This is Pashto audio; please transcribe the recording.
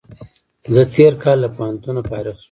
زه تېر کال له پوهنتون فارغ شوم